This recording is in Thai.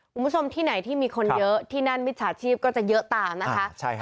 คุณผู้ชมที่ไหนที่มีคนเยอะที่นั่นมิจฉาชีพก็จะเยอะตามนะคะ